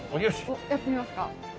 おっやってみますか？